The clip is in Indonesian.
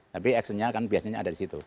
tapi actionnya kan biasanya ada di situ